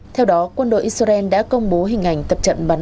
theo đó quân đội israel đã công bố hình ảnh tập trận bắn